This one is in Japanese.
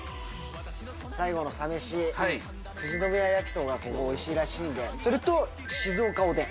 最後のサ飯、富士宮やきそばってここ、おいしいらしいんで、それと静岡おでん。